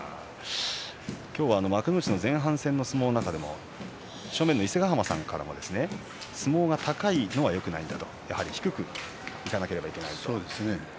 今日は幕内の前半戦の相撲の中でも正面の伊勢ヶ濱さんから相撲が高いのはよくないんだ、やはり低くいかなければいけないというお話がありました。